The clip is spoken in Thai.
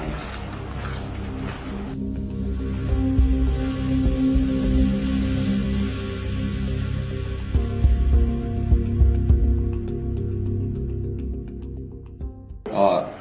อบีชอบสระของขัวไม่ได้